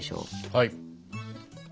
はい。